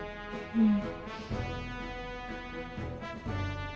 うん。